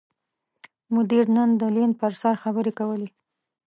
مدیر نن د لین پر سر خبرې کولې.